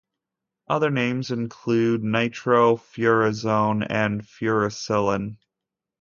Other names include nitrofurazone and furacilin.